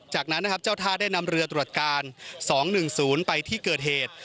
จากนั้นนะครับเจ้าท่าได้นำเรือตรวจการ๒๑๐ไปที่เกิดเหตุ